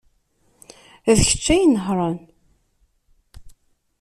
D kečč ay inehhṛen.